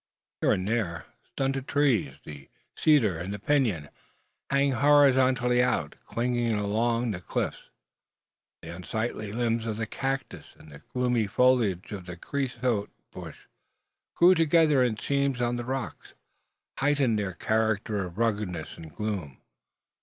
Here and there, stunted trees, the cedar and pinon, hang horizontally out, clinging along the cliffs. The unsightly limbs of the cactus, and the gloomy foliage of the creosote bush, grow together in seams of the rocks, heightening their character of ruggedness and gloom.